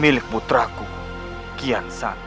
milik putraku kian santa